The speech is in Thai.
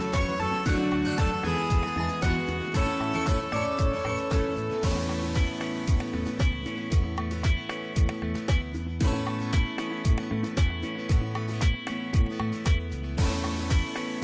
โปรดติดตามตอนต่อไป